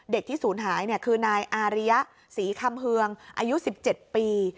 ที่ศูนย์หายคือนายอาริยะศรีคำเฮืองอายุ๑๗ปี